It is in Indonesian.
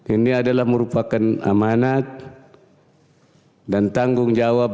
ini adalah merupakan amanat dan tanggung jawab